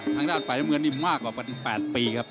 ทางด้านฝ่ายน้ำเงินนี่มากกว่า๘ปีครับ